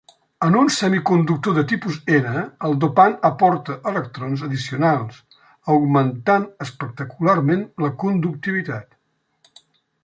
En un semiconductor de tipus n, el dopant aporta electrons addicionals, augmentant espectacularment la conductivitat.